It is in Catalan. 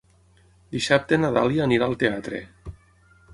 Dissabte na Dàlia anirà al teatre.